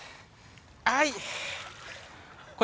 はい。